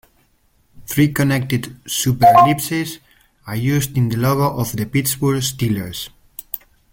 Three connected superellipses are used in the logo of the Pittsburgh Steelers.